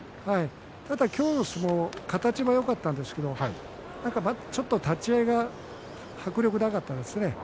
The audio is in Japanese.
ただ、今日の相撲形はよかったんですけどもちょっと立ち合いが迫力なかったですね。